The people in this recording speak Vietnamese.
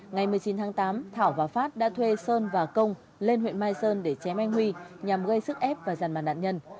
ngày một mươi chín tháng tám thảo và phát đã thuê sơn và công lên huyện mai sơn để chém anh huy nhằm gây sức ép và giàn mặt nạn nhân